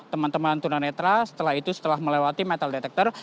teman teman tunanetra setelah itu setelah melewati metal detector